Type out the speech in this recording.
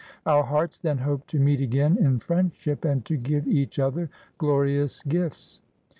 Our hearts then hoped to meet again in friendship, and to give each other glorious gifts."